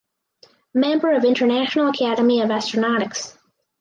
Member of International Academy of Astronautics.